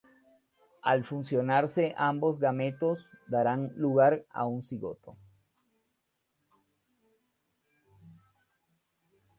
Al fusionarse ambos gametos, darán lugar a un cigoto.